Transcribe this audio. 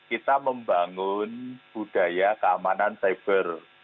kita membangun budaya keamanan cyber